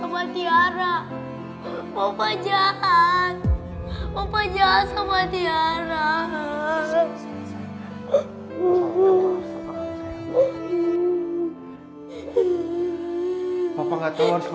mama bahagia sekarang goreng diri sama tiara